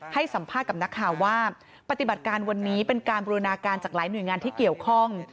ให้สัมภาษณ์กับนักข่าวว่าปฏิบัติการวันนี้เป็นการบูรณาการจากหลายหน่วยงานที่เกี่ยวข้อง